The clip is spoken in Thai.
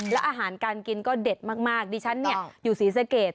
แล้วอาหารการกินก็เด็ดมากดิฉันอยู่ศรีสะเกด